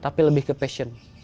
tapi lebih ke passion